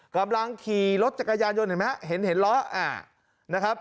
กำลังขี่รถจักรยานยนต์เห็นไหมฮะเห็นล้อนะครับ